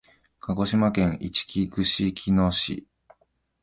鹿児島県いちき串木野市